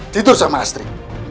tidur sama astri